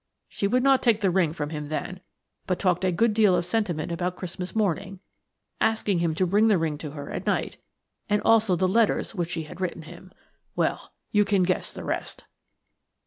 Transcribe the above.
She would not take the ring from him then, but talked a good deal of sentiment about Christmas morning, asking him to bring the ring to her at night, and also the letters which she had written him. Well–you can guess the rest."